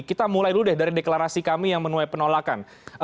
kita mulai dulu deh dari deklarasi kami yang menuai penolakan